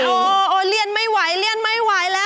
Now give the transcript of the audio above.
โอ้โหเรียนไม่ไหวเรียนไม่ไหวแล้ว